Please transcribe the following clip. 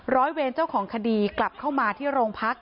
ร้อยเวรเจ้าของคดีกลับเข้ามาที่โรงพัก